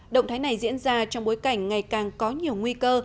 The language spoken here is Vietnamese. động thái này diễn ra trong bối cảnh ngày càng có nhiều nguy cơ